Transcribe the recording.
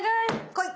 来い！